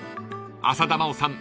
［浅田真央さん